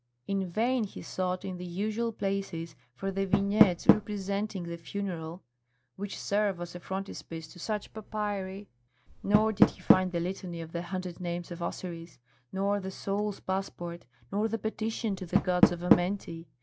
In vain he sought in the usual places for the vignettes representing the funeral, which serve as a frontispiece to such papyri, nor did he find the Litany of the Hundred Names of Osiris, nor the soul's passport, nor the petition to the gods of Amenti.